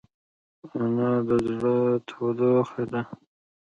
انا د زړه تودوخه ده